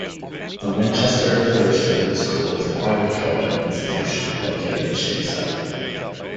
The Winchester Thurston School is a private co-ed institution located in Shadyside.